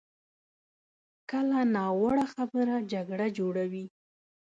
کله ناوړه خبره جګړه جوړوي.